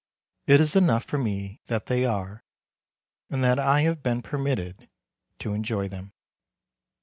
It is enough for me that they are, and that I have been permitted to enjoy them.